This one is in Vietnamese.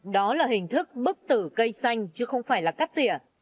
đó là hình thức bức tử cây xanh chứ không phải là cắt tỉa